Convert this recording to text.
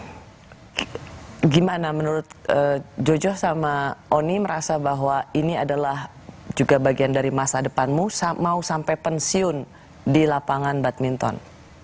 bagaimana menurut jojo sama oni merasa bahwa ini adalah juga bagian dari masa depanmu mau sampai pensiun di lapangan badminton